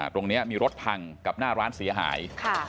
ตรงนี้มีรถพังกับหน้าร้านเสียหาย